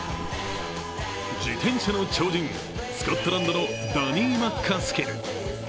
自転車の超人、スコットランドのダニー・マッカスキル。